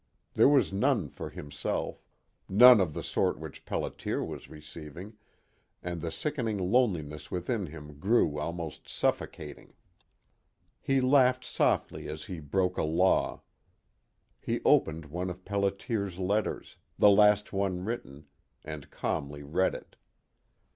There was none for himself none of the sort which Pelliter was receiving, and the sickening loneliness within him grew almost suffocating. He laughed softly as he broke a law. He opened one of Pelliter's letters the last one written and calmly read it.